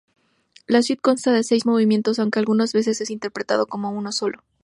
La suite consta de seis movimientos, aunque algunas veces es interpretado como uno solo.